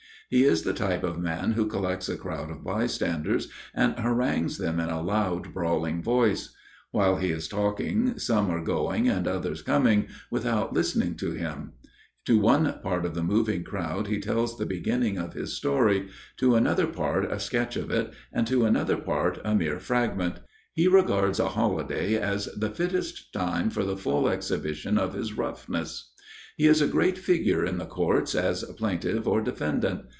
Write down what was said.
He is the type of man who collects a crowd of bystanders and harangues them in a loud brawling voice; while he is talking, some are going and others coming, without listening to him; to one part of the moving crowd he tells the beginning of his story, to another part a sketch of it, and to another part a mere fragment. He regards a holiday as the fittest time for the full exhibition of his roughness. He is a great figure in the courts as plaintiff or defendant.